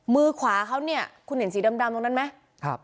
มือขวาเขาเนี่ยคุณเห็นสีดำตรงนั้นไหม